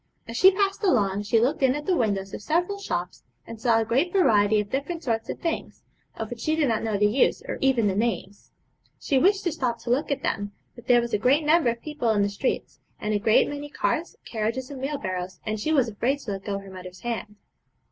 As she passed along she looked in at the windows of several shops, and saw a great variety of different sorts of things, of which she did not know the use or even the names. She wished to stop to look at them, but there was a great number of people in the streets, and a great many carts, carriages, and wheelbarrows, and she was afraid to let go her mother's hand.